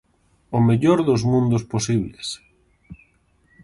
¡O mellor dos mundos posibles!